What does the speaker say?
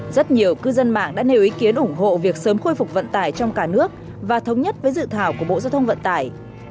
rất nhiều cư dân mạng đã nêu ý kiến ủng hộ việc sớm khôi phục vận tải trong cả nước và thống nhất với dự thảo của bộ giao thông vận tải